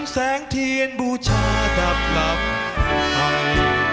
แสงเทียนบูชาดับรับให้